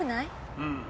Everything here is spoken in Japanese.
うん。